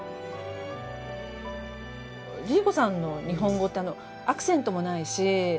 ＬｉＬｉＣｏさんの日本語ってアクセントもないし